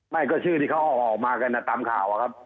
ไม่ก็ชื่อที่เขาออกมากันตามข่าวอะครับ